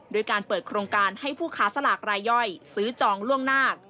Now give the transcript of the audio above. โดยการเปิดโครงการให้ผู้ค้าสลากรายย่อยซื้อจองล่วงหน้า